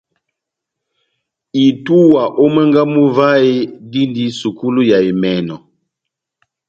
Itúwa ó mwángá mú vahe dindi sukulu ya emɛnɔ.